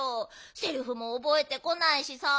セリフもおぼえてこないしさあ。